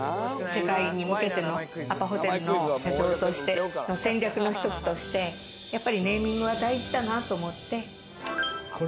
世界に向けてのアパホテルの社長として戦略の１つとしてネーミングは大事だなと思って。